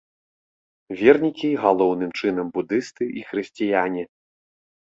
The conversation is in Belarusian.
Вернікі галоўным чынам будысты і хрысціяне.